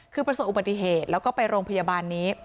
คือประสบอุบัติเหตุแล้วก็ไปโรงพยาบาลนี้